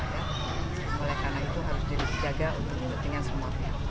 mulai kanan itu harus jadi dijaga untuk kepentingan semuanya